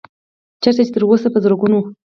چرته چې تر اوسه پۀ زرګونو